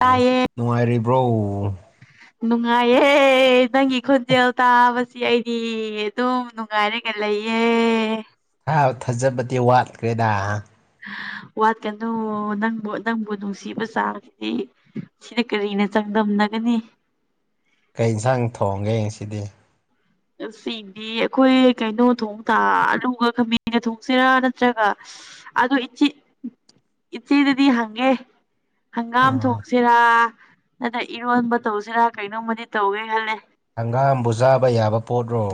ꯑꯣ ꯇꯥꯏꯌꯦ ꯅꯨꯡꯉꯥꯏꯔꯤꯕ꯭ꯔꯣ ꯅꯨꯡꯉꯥꯏꯌꯦꯦ ꯅꯪꯒꯤ ꯈꯣꯟꯖꯦꯜ ꯇꯥꯕꯁꯤ ꯑꯩ ꯏ ꯑꯗꯨꯝ ꯅꯨꯡꯉꯥꯏꯔꯒ ꯂꯩꯌꯦ ꯊ ꯊꯥꯖꯕꯗꯤ ꯋꯥꯠꯈ꯭ꯔꯦꯗ ꯋꯥꯠꯀꯅꯨ ꯅꯪꯕꯨ ꯅꯪꯕꯨ ꯅꯨꯡꯁꯤꯕ ꯆꯥꯗꯤ ꯁꯤꯅ ꯀꯔꯤꯅ ꯆꯥꯡꯗꯝꯅꯒꯅꯤ ꯀꯩ ꯌꯦꯟꯁꯥꯡ ꯊꯣꯡꯒꯦ ꯉꯁꯤꯗꯤ ꯁꯤꯗꯤ ꯑꯩꯈꯣꯏ ꯀꯩꯅꯣ ꯊꯣꯡ ꯇ ꯑꯂꯨꯒ ꯈꯥꯃꯦꯟꯒ ꯊꯣꯡꯁꯤꯔꯥ ꯅꯠꯇ꯭ꯔꯒ ꯑꯗꯨ ꯏꯆꯦ ꯏꯆꯦꯗꯗꯤ ꯍꯪꯒꯦ ꯍꯪꯒꯥꯝ ꯎꯝ ꯊꯣꯛꯁꯤꯔꯥ ꯅꯠꯇ꯭ꯔ ꯏꯔꯣꯟꯕ ꯇꯧꯁꯤꯔꯥ ꯀꯩꯅꯣꯝꯃꯗꯤ ꯇꯧꯒꯦ ꯈꯜꯂꯦ ꯍꯪꯒꯥꯝꯕꯨ ꯆꯥꯕ ꯌꯥꯕ ꯄꯣꯠꯔꯣ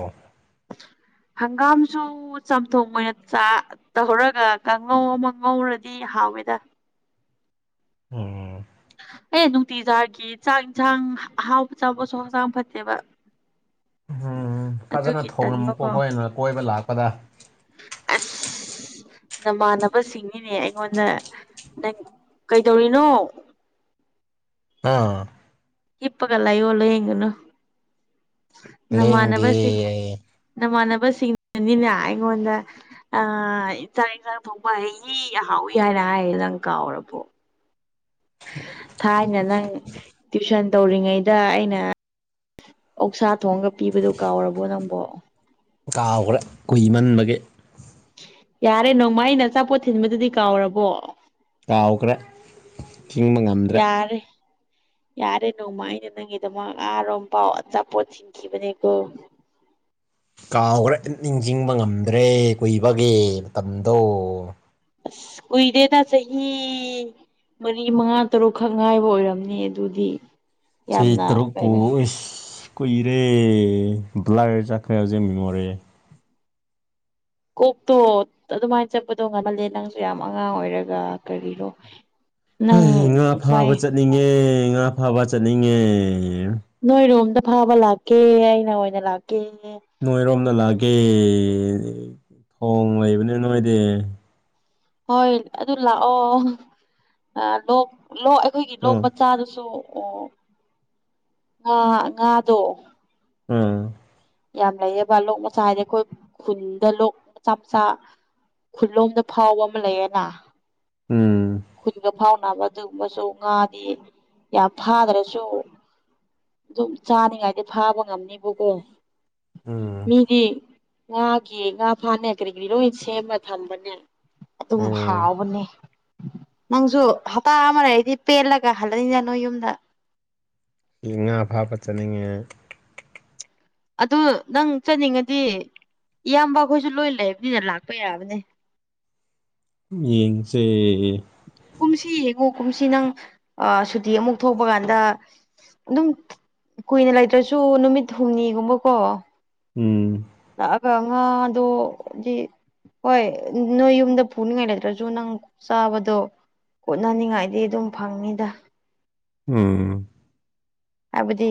ꯍꯪꯒꯥꯝꯁꯨ ꯆꯥꯝꯊꯣꯡ ꯑꯣꯏꯅ ꯆ ꯇꯧꯔꯒ ꯀꯥꯡꯉꯧ ꯑꯃ ꯉꯧꯔꯗꯤ ꯍꯥꯎꯋꯦꯗ ꯎꯝ ꯑꯦ ꯅꯨꯡꯇꯤꯖꯥꯔꯒꯤ ꯆꯥꯛ ꯌꯦꯟꯁꯥꯡ ꯑꯍꯥꯎꯕ ꯆꯕꯁꯨ ꯍꯛꯆꯥꯡ ꯐꯠꯇꯦꯕ ꯎꯝ ꯐꯖꯅ ꯑꯗꯨꯒꯤ ꯊꯣꯉ ꯇꯟꯕꯀꯣ ꯑꯩꯈꯣꯏꯅ ꯀꯣꯏꯕ ꯂꯥꯛꯄꯗ ꯑꯁ ꯅꯃꯥꯟꯅꯕꯁꯤꯡꯅꯤꯅꯦ ꯑꯩꯉꯣꯟꯗ ꯅꯪ ꯀꯩꯗꯧꯔꯤꯅꯣ ꯑꯥ ꯍꯤꯞꯄꯒ ꯂꯩꯌꯣ ꯂꯦꯡꯒꯅꯣ ꯂꯦꯡꯗꯦ ꯅꯃꯥꯟꯅꯕꯁꯤꯡ ꯅꯃꯥꯟꯅꯕꯁꯤꯡꯅꯤꯅ ꯑꯩꯉꯣꯟꯗ ꯑ ꯏꯟꯥꯡ ꯏꯟꯁꯥꯡ ꯐꯕ ꯑꯩꯒꯤꯍꯥꯎꯏ ꯍꯥꯏꯅ ꯍꯥꯏꯌꯦ ꯅꯪ ꯀꯥꯎꯔꯕꯣ [inaudible] ꯊꯥꯏꯅ ꯅꯪ ꯇ꯭ꯋꯨꯁꯟ ꯇꯧꯔꯤꯉꯩꯗ ꯑꯩꯅ ꯑꯣ ꯁꯥ ꯊꯣꯡꯒ ꯄꯤꯕꯗꯨ ꯀꯥꯎꯔꯕꯣ ꯅꯪꯕꯣ ꯀꯥꯎꯈ꯭ꯔꯦ ꯀꯨꯏꯃꯟꯕꯒꯤ ꯌꯥꯔꯦ ꯅꯣꯡꯃ ꯑꯩꯅ ꯑꯆꯥꯄꯣꯠ ꯊꯤꯟꯕꯗꯨꯗꯤ ꯀꯥꯎꯔꯕꯣ ꯀꯥꯎꯈ꯭ꯔꯦ ꯆꯤꯡꯕ ꯉꯝꯗ꯭ꯔꯦ ꯌꯥꯔꯦ ꯌꯥꯔꯦ ꯅꯣꯡꯃ ꯑꯩꯅ ꯅꯪꯒꯤꯗꯃꯛ ꯉꯥꯔꯣꯝ ꯄꯥꯎ ꯑꯆꯥꯄꯣꯠ ꯊꯤꯟꯈꯤꯕꯅꯦꯀꯣ ꯀꯥꯎꯈ꯭ꯔ ꯏ ꯅꯤꯡꯁꯤꯡꯕ ꯉꯝꯗ꯭ꯔꯦ ꯀꯨꯏꯕꯒꯦ ꯃꯇꯝꯗꯣ ꯑꯁ ꯀꯨꯏꯗꯦꯗ ꯆꯍꯤ ꯆꯍꯤ ꯃꯔꯤ ꯃꯉꯥ ꯇꯔꯨꯛꯈꯛ ꯉꯥꯏꯕ ꯑꯣꯏꯔꯝꯅꯤ ꯑꯗꯨꯗꯤ ꯆꯍꯤ ꯌꯥꯝꯅ ꯇꯔꯨꯛꯄꯨ ꯀꯩꯅꯣ ꯀꯨꯏꯔꯦ ꯕ꯭ꯂꯔ ꯆꯠꯈ꯭ꯔꯦ ꯍꯧꯖꯤꯛ ꯃꯤꯃꯣꯔꯤ ꯀꯣꯛꯇꯣ ꯑꯗꯨꯃꯥꯏꯅ ꯆꯠꯄꯗꯣ ꯉꯝꯍꯜꯂꯦ ꯅꯪꯁꯨ ꯌꯥꯝ ꯑꯉꯥꯡ ꯑꯣꯏꯔꯒ ꯀꯔꯤꯅꯣ ꯉꯥ ꯐꯥꯕ ꯆꯠꯅꯤꯡꯉꯦ ꯉꯥ ꯐꯥꯕ ꯆꯠꯅꯤꯡꯉꯦ ꯅꯣꯏ ꯔꯣꯝꯗ ꯐꯥꯕ ꯂꯥꯛꯀꯦ ꯑꯩꯅ ꯑꯣꯏꯅ ꯂꯥꯛꯀꯦ ꯅꯣꯏꯔꯣꯝꯗ ꯂꯥꯛꯑꯀꯦ ꯊꯣꯡ ꯂꯩꯕꯅꯤ ꯅꯣꯏꯗꯤ ꯍꯣꯏ ꯑꯗꯨ ꯂꯥꯛꯑꯣ ꯂꯣꯛ ꯂꯣꯛ ꯑꯩꯈꯣꯏꯒꯤ ꯂꯣꯛ ꯑꯣ ꯃꯆꯥꯗꯨꯁꯨ ꯑꯣ ꯉꯥ ꯉꯥꯗꯣ ꯎꯝ ꯌꯥꯝ ꯂꯩꯌꯦꯕ ꯂꯣꯛ ꯃꯆꯥ ꯍꯥꯏꯗꯤ ꯑꯩꯈꯣꯏ ꯈꯨꯟꯗ ꯂꯣꯛ ꯃꯆꯥ ꯃꯆꯥ ꯈꯨꯠꯂꯣꯝꯗ ꯐꯥꯎꯕ ꯑꯃ ꯂꯩꯌꯦꯅ ꯎꯝ ꯈꯨꯟꯒ ꯐꯥꯎꯅꯕ ꯑꯗꯨꯒꯨꯝꯕꯁꯨ ꯉꯥꯗꯤ ꯌꯥꯝ ꯐꯥꯗ꯭ꯔꯁꯨ ꯑꯗꯨꯝ ꯆꯥꯅꯤꯡꯉꯥꯏꯗꯤ ꯐꯥꯕ ꯉꯝꯅꯤꯕꯨꯀꯣ ꯎꯝ ꯃꯤꯗꯤ ꯉꯥꯒꯤ ꯉꯥ ꯐꯥꯅ ꯀꯔꯤ ꯀꯔꯤ ꯂꯣꯏ ꯁꯦꯝꯃ ꯊꯝꯕꯅꯦ ꯑꯗꯨꯝ ꯑꯣ ꯍꯥꯎꯕꯅꯦ ꯅꯪꯁꯨ ꯍꯞꯇꯥ ꯑꯃ ꯂꯩꯔꯗꯤ ꯄꯦꯜꯂꯒ ꯍꯜꯂꯅꯤꯗ ꯅꯣꯏ ꯌꯨꯝꯗ ꯏ ꯉꯥ ꯐꯥꯕ ꯆꯠꯅꯤꯡꯉꯦ ꯑꯗꯨ ꯅꯪ ꯆꯠꯅꯤꯡꯉꯗꯤ ꯏꯌꯥꯝꯕ ꯈꯣꯏꯁꯨ ꯂꯣꯏ ꯂꯩꯕꯅꯤꯅ ꯂꯥꯛꯄ ꯌꯥꯕꯅꯦ ꯌꯦꯡꯖꯦ ꯀꯨꯝꯁꯤ ꯌꯦꯡꯉꯣ ꯀꯨꯝꯁꯤ ꯅꯪ ꯁꯨꯇꯤ ꯑꯃꯨꯛ ꯊꯣꯛꯄ ꯀꯥꯟꯗ ꯑꯗꯨꯝ ꯀꯨꯏꯅ ꯂꯩꯇ꯭ꯔꯁꯨ ꯅꯨꯃꯤꯠ ꯍꯨꯝꯅꯤꯒꯨꯝꯕꯀꯣ ꯎꯝ ꯂꯥꯛꯑꯒ ꯉꯥꯗꯣꯒꯤ ꯍꯣꯏ ꯅꯣꯏ ꯌꯨꯝꯗ ꯄꯨꯅꯤꯡꯉꯥꯏ ꯂꯩꯇ꯭ꯔꯁꯨ ꯅꯪ ꯆꯥꯕꯗꯣ ꯀꯣꯅꯅꯤꯡꯉꯥꯏꯗꯤ ꯑꯗꯨꯝ ꯐꯪꯅꯤꯗ ꯎꯝ ꯍꯥꯏꯕꯗꯤ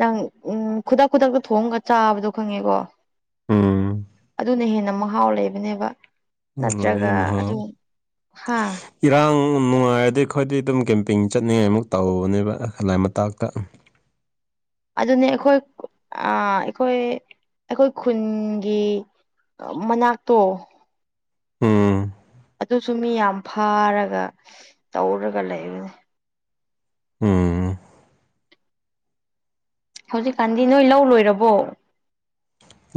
ꯅꯪ ꯎꯝ ꯈꯨꯗꯛ ꯈꯨꯗꯛꯇ ꯊꯣꯡꯉꯒ ꯆꯥꯕꯗꯣ ꯈꯪꯉꯦꯀꯣ ꯎꯝ ꯑꯗꯨꯅ ꯍꯦꯟꯅ ꯃꯍꯥꯎ ꯂꯩꯕꯅꯦꯕ ꯂꯣꯏꯌꯦ ꯅꯠꯇ꯭ꯔꯒ ꯑꯗꯨ ꯃꯍꯥꯎ ꯍꯥꯥ ꯏꯔꯥꯡ ꯅꯨꯡꯉꯥꯏꯔꯗꯤ ꯑꯩꯈꯣꯏꯗꯤ ꯑꯗꯨꯝ ꯀꯦꯝꯄꯤꯡ ꯆꯠꯅꯤꯡꯉꯥꯏꯃꯨꯛ ꯇꯧꯕꯅꯦꯕ ꯂ ꯂꯥꯏ ꯃꯇꯥꯛꯇ ꯑꯗꯨꯅꯦ ꯑꯩꯈꯣꯏ ꯑꯥ ꯑꯩꯈꯣꯏ ꯑꯩꯈꯣꯏ ꯈꯨꯟꯒꯤ ꯃꯅꯥꯛꯇꯣ ꯎꯝ ꯑꯗꯨꯁꯨ ꯃꯤ ꯌꯥꯝ ꯐꯥꯔꯒ ꯇꯧꯔꯒ ꯂꯩꯕꯅꯦ ꯎꯝ ꯍꯧꯖꯤꯛꯀꯥꯟꯗꯤ ꯅꯣꯏ ꯂꯧ ꯂꯣꯏꯔꯕꯣ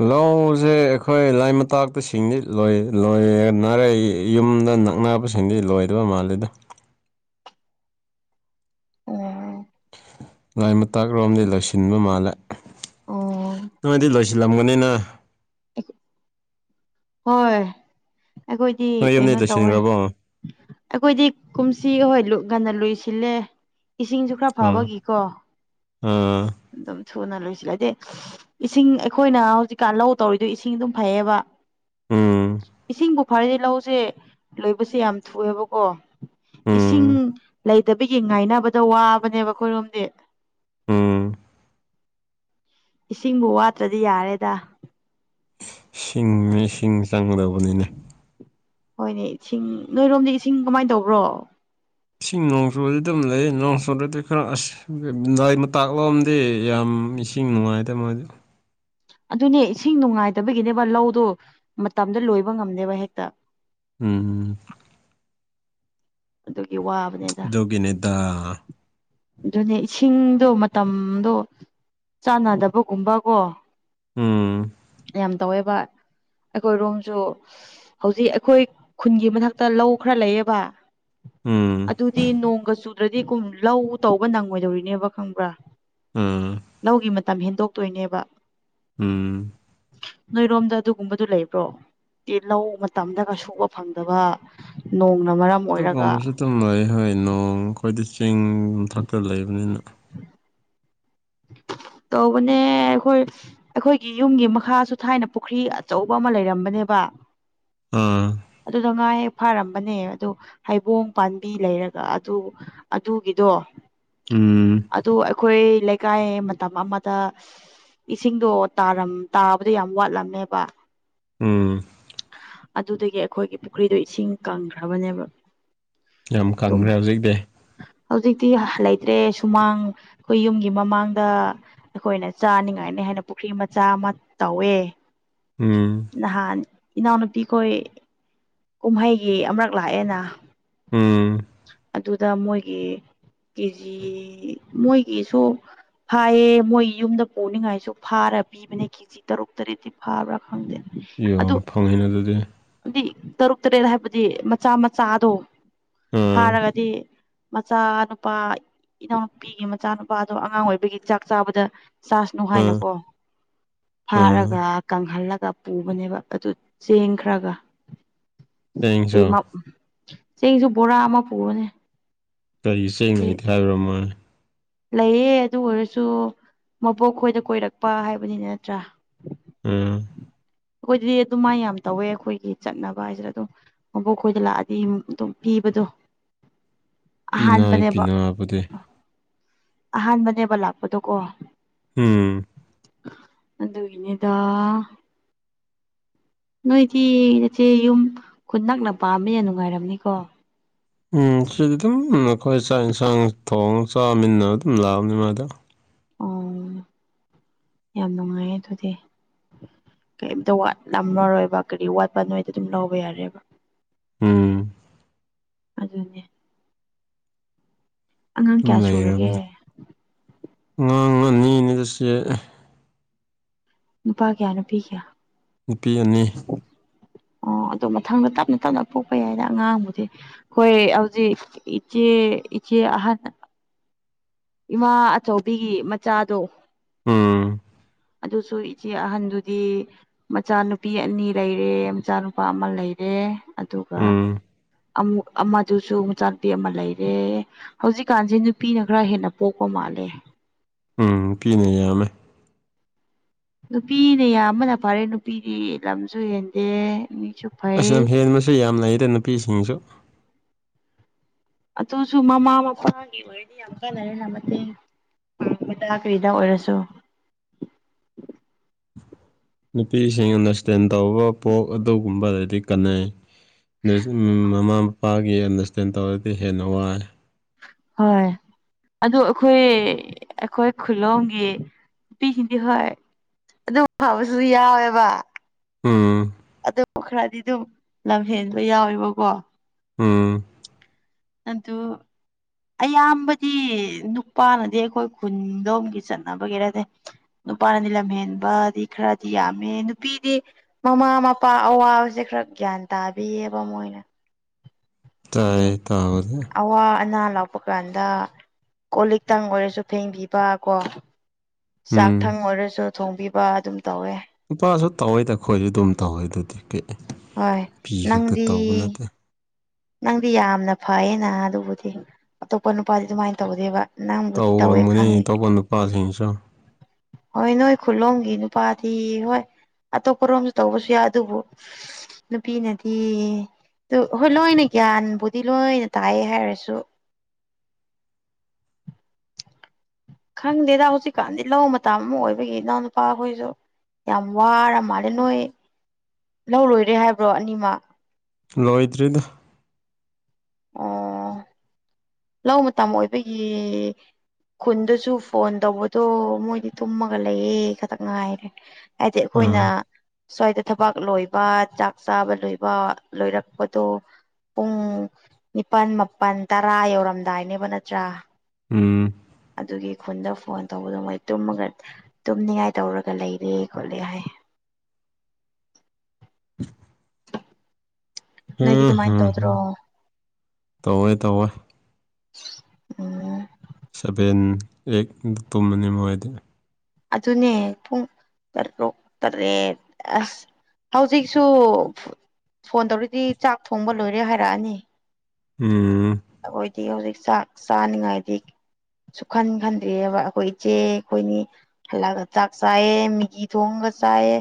ꯂꯧꯁꯦ ꯑꯩꯈꯣꯏ ꯂꯥꯏ ꯃꯇꯥꯛꯇ ꯁꯤꯡꯗꯤ ꯂꯣꯏ ꯂꯣꯏꯅꯔꯦ ꯌꯨꯝꯗ ꯅꯛꯅꯕ ꯁꯤꯡꯗꯤ ꯂꯣꯏꯗꯕ ꯃꯥꯜꯂꯦꯗ ꯑꯣ ꯂꯥꯏ ꯃꯇꯥꯛꯔꯣꯝꯗꯤ ꯂꯣꯏꯁꯤꯟꯕ ꯃꯥꯜꯂꯦ ꯅꯣꯏꯗꯤ ꯂꯣꯏꯁꯤꯜꯂꯝꯒꯅꯤꯅ ꯍꯣꯏ ꯑꯩꯈꯣꯏꯗꯤ ꯅꯣꯏ ꯌꯨꯝꯗꯤ ꯀꯩꯅꯣ ꯇꯧꯋꯦ ꯂꯣꯏꯁꯤꯟꯈ꯭ꯔꯕꯣ ꯑꯩꯈꯣꯏꯗꯤ ꯀꯨꯝꯁꯤ ꯍꯣꯏ ꯂꯧ ꯉꯟꯅ ꯂꯨꯁꯤꯜꯂꯦ ꯏꯁꯤꯡ ꯈꯔ ꯎꯝ ꯐꯕꯒꯤꯀꯣ ꯑꯥ ꯑꯗꯄꯝ ꯊꯨꯅ ꯂꯣꯏꯁꯤꯜꯂꯦ ꯍꯥꯏꯗꯤ ꯏꯁꯤꯡ ꯑꯩꯈꯣꯏꯅ ꯍꯧꯖꯤꯛꯀꯥꯟ ꯂꯧ ꯇꯧꯔꯤꯗꯨ ꯏꯁꯤꯡ ꯑꯗꯨꯝ ꯐꯩꯌꯦꯕ ꯎꯝ ꯏꯁꯤꯡꯕꯨ ꯐꯔꯗꯤ ꯂꯧꯁꯦ ꯂꯣꯏꯕꯁꯦ ꯌꯥꯝ ꯊꯨꯏꯑꯦꯕꯀꯣ ꯏꯁꯤꯡ ꯎꯝ ꯂꯩꯇꯕꯤꯒꯤ ꯉꯥꯏꯅꯕꯗ ꯋꯥꯕꯅꯦꯕ ꯑꯩꯈꯣꯏꯔꯣꯝꯗꯤ ꯎꯝ ꯏꯁꯤꯡꯕꯨ ꯋꯥꯠꯇ꯭ꯔꯗꯤ ꯌꯥꯔꯦꯗ ꯁꯤꯡꯉ ꯏꯁꯤꯡ ꯆꯪꯒꯗꯧꯕꯅꯤꯅꯦ ꯍꯣꯏꯅꯦ ꯏꯁꯤꯡ ꯅꯣꯏꯔꯣꯝꯗꯤ ꯏꯁꯤꯡ ꯀꯃꯥꯏꯅ ꯇꯧꯕ꯭ꯔꯣ ꯏꯁꯤꯡ ꯅꯣꯡ ꯆꯨꯕꯗꯤ ꯑꯗꯨꯝ ꯂꯩ ꯅꯣꯡ ꯆꯨꯨꯔꯗꯤ ꯈꯔ ꯑꯁ ꯂꯥꯏ ꯃꯇꯥꯛ ꯂꯧꯝꯗ ꯗꯤ ꯌꯥꯝ ꯏꯁꯤꯡ ꯅꯨꯡꯉꯥꯏꯗꯥ ꯃꯣꯏꯗꯤ ꯑꯗꯨꯅꯦ ꯏꯁꯤꯡ ꯅꯨꯡꯉꯥꯏꯇꯕꯒꯤꯅꯦꯕ ꯂꯧꯗꯣ ꯃꯇꯝꯗ ꯂꯣꯏꯕ ꯉꯝꯅꯦꯕ ꯍꯦꯛꯇ ꯎꯝ ꯑꯗꯨꯒꯤ ꯋꯥꯕ ꯑꯗꯨꯒꯤꯅꯦꯗ ꯑꯗꯨꯅꯦ ꯏꯁꯤꯡꯗꯣ ꯃꯇꯝꯗꯣ ꯆꯥꯟꯅꯗꯕꯒꯨꯝꯕꯀꯣ ꯎꯝ ꯌꯥꯝ ꯇꯧꯋꯦꯕ ꯑꯩꯈꯣꯏꯔꯣꯝꯁꯨ ꯍꯧꯖꯤꯛ ꯑꯩꯈꯣꯏ ꯈꯨꯟꯒꯤ ꯃꯊꯛꯇ ꯂꯧ ꯈꯔ ꯂꯩꯌꯦꯕ ꯎꯝ ꯑꯗꯨꯗꯤ ꯅꯣꯡꯒ ꯆꯨꯗ꯭ꯔꯗꯤ ꯀꯨꯝ ꯂꯧ ꯇꯧꯕ ꯅꯪꯉꯣꯏꯗꯧꯔꯤꯅꯦꯕ ꯈꯪꯕ꯭ꯔꯥ ꯎꯝ ꯂꯧꯒꯤ ꯃꯇꯝ ꯍꯦꯟꯗꯣꯛꯇꯣꯏꯅꯦꯕ ꯎꯝ ꯅꯣꯏꯔꯣꯝꯗ ꯑꯗꯨꯒꯨꯝꯕꯗꯨ ꯂꯩꯕ꯭ꯔꯣ ꯇꯤ ꯂꯧ ꯃꯇꯝꯗꯒ ꯁꯨꯕ ꯐꯪꯗꯕ ꯅꯣꯡꯅ ꯃꯔꯝ ꯑꯣꯏꯔꯒ ꯑꯇꯨꯝꯕꯩ ꯍꯣꯏ ꯅꯣꯡ ꯑꯩꯈꯣꯏꯗꯤ ꯆꯤꯡ ꯃꯊꯛꯇ ꯂꯩꯕꯅꯤꯅ ꯇꯧꯕꯅꯦ ꯑꯩꯈꯣꯏ ꯑꯩꯈꯣꯏꯒꯤ ꯌꯨꯝꯒꯤ ꯃꯈꯥꯁꯨ ꯊꯥꯏꯅ ꯄꯨꯈ꯭ꯔꯤ ꯑꯆꯧꯕ ꯑꯃ ꯂꯩꯔꯝꯕꯅꯦꯕꯥ ꯑꯥ ꯑꯗꯨꯗ ꯉꯥ ꯍꯦꯛ ꯐꯥꯔꯝꯕꯅꯦ ꯑꯗꯨ ꯍꯩꯕꯣꯡ ꯄꯥꯟꯕꯤ ꯂꯩꯔꯒ ꯑꯗꯨ ꯑꯗꯨꯒꯤꯗꯣ ꯎꯝ ꯑꯗꯨ ꯑꯩꯈꯣꯏ ꯂꯩꯀꯥꯏ ꯃꯇꯝ ꯑꯃꯗ ꯏꯁꯤꯡꯗꯣ ꯇꯥꯔꯝ ꯇꯥꯕꯗ ꯌꯥꯝ ꯋꯥꯠꯂꯝꯃꯦꯕ ꯎꯝ ꯑꯗꯨꯗꯒꯤ ꯑꯩꯈꯣꯏꯒꯤ ꯄꯨꯈ꯭ꯔꯤꯗꯣ ꯏꯁꯤꯡ ꯀꯪꯈ꯭ꯔꯕꯅꯦꯕ ꯌꯥꯝ ꯑꯗꯨꯝ ꯀꯪꯈ꯭ꯔꯦ ꯍꯧꯖꯤꯛꯇꯤ ꯍꯧꯖꯤꯛꯇꯤ ꯂꯩꯇ꯭ꯔꯦ ꯁꯨꯃꯥꯡ ꯑꯩꯈꯣꯏ ꯌꯨꯝ ꯒꯤ ꯃꯃꯥꯡꯗ ꯑꯩꯈꯣꯏꯅ ꯆꯥꯅꯤꯡꯉꯥꯏꯅꯤ ꯍꯥꯏꯅ ꯄꯨꯈ꯭ꯔꯤ ꯃꯆꯥ ꯑꯃ ꯇꯧꯋꯦ ꯎꯝ ꯅꯍꯥꯟ ꯏꯅꯥꯎꯅꯨꯄꯤꯈꯣꯏ ꯀꯨꯝꯍꯩꯒꯤ ꯑꯃꯔꯛ ꯂꯥꯛꯑꯦꯅ ꯎꯝ ꯑꯗꯨꯗ ꯃꯣꯏꯒꯤ ꯀꯦꯖꯤ ꯃꯣꯏꯒꯤꯁꯨ ꯐꯥꯏꯌꯦ ꯃꯣꯏ ꯌꯨꯝꯗ ꯄꯨꯅꯤꯡꯉꯥꯏꯁꯨ ꯐꯥꯔ ꯄꯤꯕꯅꯦ ꯆꯤ ꯇꯔꯨꯛ ꯇꯔꯦꯠꯇꯤ ꯐꯥꯕ꯭ꯔꯥ ꯈꯪꯗꯦ ꯌꯥꯝ ꯑꯗꯨ ꯐꯪꯉꯤꯅ ꯑꯗꯨꯗꯤ ꯑꯗꯤ ꯇꯔꯨꯛ ꯇꯔꯦꯠ ꯍꯥꯏꯕꯗꯤ ꯃꯆꯥ ꯃꯆꯥꯗꯣ ꯑꯥ ꯐꯥꯔꯒꯗꯤ ꯃꯆꯥ ꯅꯨꯄꯥ ꯏꯅꯥꯎꯅꯨꯄꯤꯒꯤ ꯃꯆꯥꯅꯨꯄꯥꯗꯣ ꯑꯉꯥꯡ ꯑꯣꯏꯕꯒꯤ ꯆꯥꯛ ꯆꯥꯕꯗ ꯆꯥꯁꯅꯨ ꯑꯥ ꯍꯥꯏꯅꯀꯣ ꯑꯥ ꯐꯥꯔꯒ ꯀꯪꯍꯜꯂꯒ ꯄꯨꯕꯅꯦꯕ ꯑꯗꯨ ꯆꯦꯡ ꯈꯔꯒ ꯆꯦꯡꯁꯨ ꯑꯦꯃꯞ ꯆꯦꯡꯁꯨ ꯕꯣꯔꯥ ꯑꯃ ꯄꯨꯕꯅꯦ ꯀꯔꯤ ꯆꯦꯡ ꯂꯩꯇꯦ ꯍꯥꯏꯕ꯭ꯔꯣ ꯃꯣꯏ ꯂꯩꯌꯦ ꯑꯗꯨ ꯑꯣꯏꯔꯁꯨ ꯃꯕꯣꯛ ꯈꯣꯏꯗ ꯀꯣꯏꯔꯛꯄ ꯍꯥꯏꯕꯅꯤꯅ ꯅꯠꯇ꯭ꯔꯥ ꯎꯝ ꯑꯩꯈꯣꯏꯗꯗꯤ ꯑꯗꯨꯃꯥꯏ ꯌꯥꯝ ꯇꯧꯋꯦ ꯑꯩꯈꯣꯏꯒꯤ ꯆꯠꯅꯕ ꯍꯥꯏꯁꯤꯔ ꯑꯗꯨꯝ ꯃꯕꯣꯛꯈꯣꯏꯗ ꯂꯥꯛꯑꯗꯤ ꯑꯗꯨꯝ ꯄꯤꯕꯗꯣ ꯄꯤꯅꯩ ꯑꯍꯥꯟꯕꯅꯦꯕ ꯄꯤꯅꯕꯗꯤ ꯑꯍꯥꯟꯕꯅꯦꯕ ꯂꯥꯛꯄꯗꯣ ꯀꯣ ꯎꯝ ꯑꯗꯨꯒꯤꯅꯤꯗꯥ ꯅꯣꯏꯗꯤ ꯅꯆꯦ ꯌꯨꯝ ꯈꯨꯟ ꯅꯛꯅ ꯄꯥꯝꯃꯦ ꯅꯨꯡꯉꯥꯏꯔꯝꯅꯤꯀꯣ ꯎꯝ ꯁꯤꯗꯤ ꯑꯗꯨꯝ ꯑꯈꯣꯏ ꯆꯥꯛ ꯏꯟꯁꯥꯡ ꯊꯣꯡꯉ ꯆꯥꯃꯤꯟꯅꯔ ꯑꯗꯨꯝ ꯂꯥꯛꯑꯕꯅꯤ ꯃꯥꯗꯤ ꯑꯣ [inaudible] ꯌꯥꯝ ꯅꯨꯡꯉꯥꯏꯌꯦ ꯑꯗꯨꯗꯤ ꯀꯩꯝꯇ ꯋꯥꯠꯂꯝꯃꯔꯣꯏꯕ ꯀꯔꯤ ꯋꯥꯠꯄ ꯅꯣꯏꯗ ꯑꯗꯨꯝ ꯂꯧꯕ ꯌꯥꯔꯦꯕ ꯎꯝ ꯑꯗꯨꯅꯤ ꯑꯉꯥꯡ ꯑꯗꯨꯝ ꯀꯌꯥ ꯁꯨꯔꯒꯦ ꯂꯩꯔꯝꯅꯤ ꯑꯉꯥꯡ ꯑꯅꯤꯅꯤꯗꯁꯦ ꯅꯨꯄꯥ ꯀꯌꯥ ꯅꯨꯄꯤ ꯀꯌꯥ ꯅꯨꯄꯤ ꯑꯅꯤ ꯑꯣ ꯑꯗꯣ ꯃꯊꯪꯗ ꯇꯞꯅ ꯇꯞꯅ ꯄꯣꯛꯄ ꯌꯥꯏꯗ ꯑꯉꯥꯡꯕꯨꯗꯤ ꯍꯣꯏ ꯍꯧꯖꯤꯛ ꯏꯆꯦ ꯏꯆꯦ ꯑꯍꯥꯟꯅ ꯏꯃꯥ ꯑꯆꯧꯕꯤꯒꯤ ꯃꯆꯥꯗꯣ ꯎꯝ ꯑꯗꯨꯁꯨ ꯏꯆꯦ ꯑꯍꯟꯗꯨꯗꯤ ꯃꯆꯥꯅꯨꯄꯤ ꯑꯅꯤ ꯂꯩꯔꯦ ꯃꯆꯥꯅꯨꯄꯥ ꯑꯃ ꯂꯩꯔꯦ ꯑꯗꯨꯒ ꯎꯝ ꯑꯃꯨꯛ ꯑꯃꯗꯨꯁꯨ ꯃꯆꯥꯅꯨꯄꯤ ꯑꯃ ꯂꯩꯔꯦ ꯍꯧꯖꯤꯛꯀꯥꯟꯁꯦ ꯅꯨꯄꯤꯅ ꯈꯔ ꯍꯦꯟꯅ ꯄꯣꯛꯄ ꯃꯥꯥꯜꯂꯦ ꯎꯝ ꯅꯨꯄꯤꯅ ꯌꯥꯝꯃꯦ ꯅꯨꯄꯤꯅ ꯌꯥꯝꯕꯅ ꯐꯔꯦ ꯅꯨꯄꯤꯗꯤ ꯂꯝꯁꯨ ꯍꯦꯟꯗꯦ ꯃꯤꯁꯨ ꯑꯁ ꯐꯩ ꯂꯝꯍꯦꯟꯕꯁꯨ ꯌꯥꯝ ꯂꯩꯗ ꯅꯨꯄꯤꯁꯤꯡꯁꯨ ꯑꯗꯨꯁꯨ ꯃꯃꯥ ꯃꯄꯥꯒꯤ ꯑꯣꯏꯔꯗꯤ ꯌꯥꯝ ꯀꯥꯅꯔꯦ ꯌꯥꯝ ꯃꯇꯦꯡ ꯄꯥꯡꯕꯗ ꯀꯔꯤꯗ ꯑꯣꯏꯔꯁꯨ ꯅꯨꯄꯤꯁꯤꯡ ꯑꯟꯗꯔꯁꯇꯦꯟ ꯇꯧꯕ ꯄꯣꯛ ꯑꯗꯨꯒꯨꯝꯕꯗꯗꯤ ꯀꯥꯟꯅꯩ [unintelligible] ꯃꯃꯥ ꯃꯄꯥꯒꯤ ꯑꯟꯗꯔꯁꯇꯦꯟ ꯇꯧꯔꯗꯤ ꯍꯦꯟꯅ ꯋꯥꯏ ꯍꯣꯏ ꯑꯗꯨ ꯑꯩꯈꯣꯏ ꯑꯩꯈꯣꯏ ꯈꯨꯂꯣꯝꯒꯤ ꯅꯨꯄꯤꯁꯤꯡꯗꯤ ꯍꯣꯏ ꯑꯗꯨꯝ ꯐꯕꯁꯨ ꯌꯥꯎꯋꯦꯕ ꯎꯝ ꯑꯗꯨ ꯈꯔꯗꯤ ꯑꯗꯨꯝ ꯂꯝ ꯍꯦꯟꯕ ꯌꯥꯎꯋꯦꯕꯀꯣ ꯎꯝ ꯑꯗꯨ ꯑꯌꯥꯝꯕꯗꯤ ꯅꯨꯄꯥꯅꯗꯤ ꯑꯩꯈꯣꯏ ꯈꯨꯟꯗꯣꯝꯒꯤ ꯆꯠꯅꯕꯒꯤꯔꯥꯗꯦ ꯅꯨꯄꯥꯅꯗꯤ ꯂꯝꯍꯦꯟꯕꯗꯤ ꯈꯔꯗꯤ ꯌꯥꯝꯃꯦ ꯅꯨꯄꯤꯗꯤ ꯃꯃꯥ ꯃꯄꯥ ꯑꯋꯥꯕꯁꯦ ꯈꯔ ꯒ꯭ꯌꯥꯟ ꯇꯥꯕꯤꯌꯦꯕ ꯃꯣꯏꯅ ꯇꯥꯏ ꯑꯗꯨꯝ ꯇꯥꯕꯗꯤ ꯑꯋꯥ ꯑꯅꯥ ꯂꯥꯛ ꯄꯛ ꯀꯥꯟꯗ ꯀꯣꯜ ꯂꯤꯛꯇꯪ ꯑꯣꯏꯔꯁꯨ ꯐꯦꯡꯕꯤꯕ ꯀꯣ ꯆꯥꯛ ꯎꯝ ꯊꯪ ꯑꯣꯏꯔꯁꯨ ꯊꯣꯡꯕꯤꯕ ꯑꯗꯨꯝ ꯇꯧꯋꯦ ꯅꯨꯄꯥꯁꯨ ꯇꯧꯋꯦꯗ ꯑꯩꯈꯣꯏꯗꯤ ꯗꯨꯝ ꯇꯧꯋꯦ ꯑꯗꯨꯗꯤ ꯀꯩ ꯍꯦ ꯍꯣꯏ ꯄꯤ ꯈꯛꯇ ꯅꯪꯗꯤ ꯇꯧꯕ ꯅꯠꯇꯦ ꯅꯪꯗꯤ ꯌꯥꯝꯅ ꯐꯩꯌꯦꯅ ꯑꯗꯨꯕꯨꯗꯤ ꯑꯇꯣꯞꯄ ꯅꯨꯄꯥꯗꯤ ꯑꯗꯨꯃꯥꯏꯅ ꯇꯧꯗꯦꯕ ꯅꯪꯕꯨꯗꯤ ꯇꯧꯋꯦ ꯇꯧꯔꯝꯃꯅꯤ ꯈꯪꯉꯦ ꯑꯇꯣꯞꯄ ꯅꯨꯄꯥꯁꯤꯡꯁꯨ ꯍꯣꯏ ꯅꯣꯏ ꯈꯨꯜꯂꯣꯝꯒꯤ ꯅꯨꯄꯥꯗꯤ ꯍꯣꯏ ꯑꯇꯣ ꯀꯣꯏꯔꯣꯝꯁꯨ ꯇꯧꯕꯁꯨ ꯌꯥꯏ ꯑꯗꯨꯕꯨ ꯅꯨꯄꯤꯅꯗꯤ ꯇꯨ ꯍꯣꯏ ꯂꯣꯏꯅ ꯒ꯭ꯌꯥꯟꯕꯨꯗꯤ ꯂꯣꯏꯅ ꯇꯥꯏꯌꯦ ꯍꯥꯏꯔꯁꯨ ꯈꯪꯗꯦꯗ ꯍꯧꯖꯤꯛꯀꯥꯟꯗꯤ ꯂꯧ ꯃꯇꯝ ꯑꯃꯨꯛ ꯑꯣꯏꯕꯒꯤ ꯏꯅꯥꯎ ꯅꯨꯨꯄꯥ ꯈꯣꯏꯁꯨ ꯌꯥꯝ ꯋꯥꯔ ꯃꯥꯜꯂꯦ ꯅꯣꯏ ꯂꯧ ꯂꯣꯏꯔꯦ ꯍꯥꯏꯕ꯭ꯔꯣ ꯑꯅꯤꯃꯛ ꯂꯣꯏꯗ꯭ꯔꯤꯗ ꯑꯣ ꯂꯧ ꯃꯇꯝ ꯑꯣꯏꯕꯒꯤ ꯈꯨꯟꯗꯁꯨ ꯐꯣꯟ ꯇꯧꯕꯗꯣ ꯃꯣꯏꯗꯤ ꯇꯨꯝꯃꯒ ꯂꯩꯌꯦ ꯈꯇꯪ ꯉꯥꯏꯔꯦ ꯍꯥꯏꯗꯤ ꯑꯩꯈꯣꯏꯅ ꯑꯥ ꯁ꯭ꯋꯥꯏꯗ ꯊꯕꯛ ꯂꯣꯏꯕ ꯆꯥꯛ ꯆꯥꯕ ꯂꯣꯏꯕ ꯂꯣꯏꯔꯛꯄꯗꯣ ꯄꯨꯡ ꯅꯤꯄꯥꯟ ꯃꯥꯄꯟ ꯇꯔꯥ ꯌꯧꯔꯝꯗꯥꯏꯅꯦꯕ ꯅꯠꯇ꯭ꯔꯥ ꯎꯝ ꯑꯗꯨꯒꯤ ꯈꯨꯟꯗ ꯐꯣꯟ ꯇꯧꯕꯗꯣ ꯃꯣꯏ ꯇꯨꯝꯃꯒ ꯇꯨꯝꯅꯤꯡꯉꯥꯏ ꯇꯧꯔꯒ ꯂꯩꯔꯦ ꯈꯣꯠꯂꯦ ꯍꯥꯏ ꯅꯣꯏꯗꯤ ꯎꯝ ꯑꯗꯨꯃꯥꯏꯅ ꯍꯝ ꯍ ꯇꯧꯗ꯭ꯔꯣ ꯇꯧꯋꯦ ꯇꯧꯋꯦ ꯎꯝ ꯁꯚꯦꯟ ꯑꯩꯠ ꯇ ꯇꯨꯝꯕꯅꯤ ꯃꯣꯏꯗꯤ ꯑꯗꯨꯅꯦ ꯄꯨꯡ ꯇꯔꯨꯛ ꯇꯔꯦꯠ ꯑꯁ ꯍꯧꯖꯤꯛꯁꯨ ꯐꯨ ꯐꯣꯟ ꯇꯧꯔꯗꯤ ꯆꯥꯛ ꯊꯣꯡꯕ ꯂꯣꯏꯔꯦ ꯍꯥꯏꯔꯛꯑꯅꯤ ꯎꯝ ꯑꯩꯈꯣꯏꯗꯤ ꯍꯧꯖꯤꯛ ꯆꯥꯛ ꯆꯥꯅꯤꯡꯉꯥꯏꯗꯤ ꯁꯨꯈꯟ ꯈꯟꯗ꯭ꯔꯤꯑꯕ ꯑꯩꯈꯣꯏ ꯏꯆꯦ ꯑꯩꯈꯣꯏꯅꯤ ꯍꯜꯂꯛꯒ ꯆꯥꯛ ꯆꯥꯏꯌꯦ ꯃꯤꯦꯒꯤ ꯊꯣꯡꯉꯒ ꯆꯥꯏꯌꯦ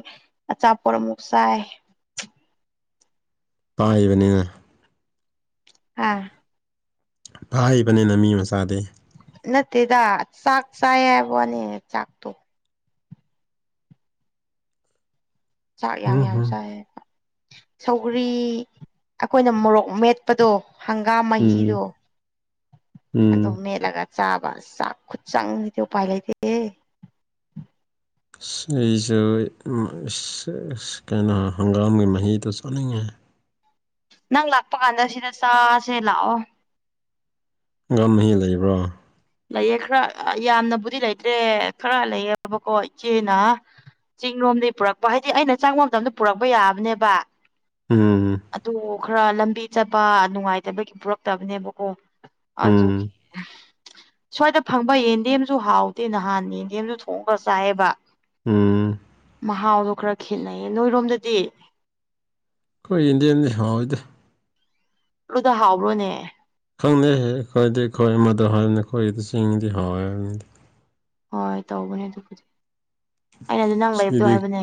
ꯑꯆꯥꯄꯣꯠ ꯑꯃꯨꯛ ꯆꯥꯏ ꯄꯥꯏꯕꯅꯤꯅ ꯍꯥꯥ ꯐꯥ ꯍꯩꯕꯅꯤꯅ ꯃꯤ ꯃꯆꯥꯗꯤ ꯅꯠꯇꯦꯗ ꯆꯥꯛ ꯆꯥꯏ ꯍꯥꯏꯕꯅꯦ ꯆꯥꯛꯇꯣ ꯆꯥꯛ ꯌꯥꯝ ꯎꯝ ꯌꯥꯝ ꯍꯝ ꯆꯥꯏ ꯁꯧꯒꯔꯤ ꯑꯩꯈꯣꯏꯅ ꯃꯣꯔꯣꯛ ꯃꯦꯠꯄꯗꯣ ꯍꯪꯒꯥꯝ ꯎꯝ ꯃꯍꯤꯗꯣ ꯑꯗꯨꯝ ꯎꯝ ꯃꯦꯠꯂꯒ ꯆꯕ ꯆꯥꯛ ꯈꯨꯠꯁꯪ ꯍꯗꯤꯣ ꯄꯥꯏ ꯂꯩꯥꯏꯗꯦ ꯁꯁꯨ ꯀꯅ ꯍꯪꯒꯥꯝꯒꯤ ꯃꯍꯍ ꯇ ꯆꯅꯦ ꯅꯪ ꯂꯥꯛꯄ ꯀꯥꯟꯗ ꯁꯤꯗ ꯆꯥꯁꯦ ꯂꯥꯛꯑꯣ ꯉꯝ ꯃꯍꯤ ꯂꯩꯕ꯭ꯔꯣ ꯂꯩꯌꯦ ꯈꯔ ꯌꯥꯝꯅꯕꯨꯗꯤ ꯂꯩꯇ꯭ꯔꯦ ꯈꯔ ꯂꯩꯌꯦꯦꯕꯀꯣ ꯏꯆꯦꯅ ꯆꯤꯡꯔꯣꯝꯗꯒꯤꯩ ꯄꯨꯔꯛꯄ ꯍꯥꯏꯗꯤ ꯑꯩꯅ ꯆꯪꯕ ꯃꯇꯝꯗ ꯄꯨꯔꯛꯄ ꯌꯥꯕꯅꯦꯕ ꯎꯝ ꯑꯗꯨ ꯈꯔ ꯂꯝꯕꯤ ꯆꯠꯄ ꯅꯨꯡꯉꯥꯏꯇꯕꯒꯤ ꯄꯨꯔꯛꯇꯕꯅꯦꯕꯀꯣ ꯑꯨꯒꯤ ꯎꯝ ꯁ꯭ꯋꯥꯏꯗ ꯐꯪꯕ ꯌꯦꯟꯗꯦꯝꯁꯨ ꯍꯥꯎꯗꯦ ꯅꯍꯥꯟ ꯌꯦꯟꯗꯦꯝꯁꯨ ꯊꯣꯡꯉꯒ ꯆꯥꯏꯌꯦꯕ ꯎꯝ ꯃꯍꯥꯎꯗꯣ ꯈꯔ ꯈꯦꯠꯅꯩꯌꯦ ꯅꯣꯏꯔꯣꯝꯗꯗꯤ ꯑꯩꯈꯣꯏ ꯏꯟꯗꯤꯌꯟꯗꯤ ꯍꯥꯎꯏꯗꯤꯦ ꯨꯗ ꯍꯥꯎꯕ꯭ꯔꯣꯅꯦ ꯈꯪꯗꯦꯍꯦ ꯑꯩꯈꯣꯏꯗꯤ ꯑꯩꯈꯣꯏ ꯑꯃꯗ ꯍꯥꯏꯅꯤ ꯑꯩꯈꯣꯏꯒꯤꯗꯤ ꯆꯤꯡꯗꯤ ꯍꯥꯎꯋꯦ ꯍꯥꯏꯕꯅꯤꯗꯤ ꯍꯣꯏ ꯇꯧꯕꯅꯦ ꯑꯗꯨꯕꯨꯗꯤ ꯑꯩꯅ ꯑꯗꯨ ꯅꯪ ꯂꯩꯕꯗꯣ ꯁꯤꯗꯗꯤ ꯍꯥꯏꯕꯅꯦ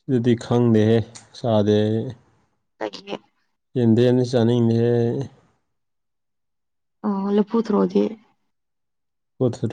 ꯁꯤꯗꯗꯤ ꯈꯪꯗꯦꯍꯦ ꯆꯥꯗꯦ ꯇ ꯑꯦꯟꯗꯦꯅꯤ ꯆꯅ ꯏꯦ ꯑ ꯂꯄꯨ ꯊ꯭ꯔꯣꯖꯤꯦ ꯀꯊꯔꯣꯏꯦ